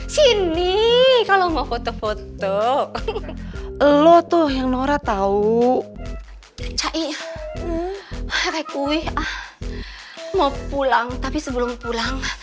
sini kalau mau foto foto lo tuh yang nora tahu cair kue ah mau pulang tapi sebelum pulang